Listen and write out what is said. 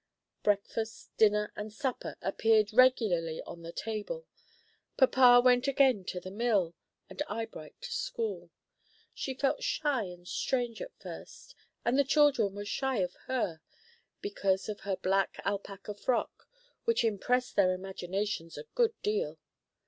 Breakfast, dinner, and supper appeared regularly on the table, papa went again to to the mill, and Eyebright to school. She felt shy and strange at first, and the children were shy of her, because of her black alpaca frock, which impressed their imaginations a good deal.